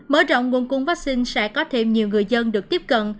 mở rộng nguồn cung vaccine sẽ có thêm nhiều người dân được tiếp cận